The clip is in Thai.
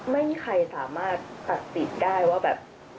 ไม่มีใครสามารถตัดสิทธิ์ได้ว่าแบบ